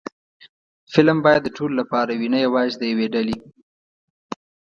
فلم باید د ټولو لپاره وي، نه یوازې د یوې ډلې